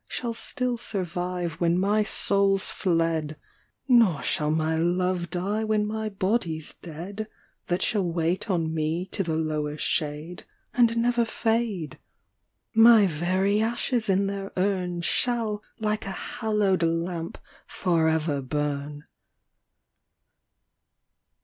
Shall still survive Wlien my soul's fled ; Nor shall my love die, when ray Ijody's dead ; That shall wait on me to the lower shade, And never fade : My very ashes in their urn Shall, like a hallowed lamp, for ever burn.